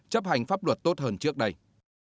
chấp hành pháp luật tốt hơn trước đây